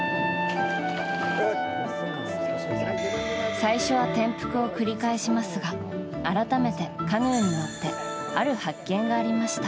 最初は転覆を繰り返しますが改めてカヌーに乗ってある発見がありました。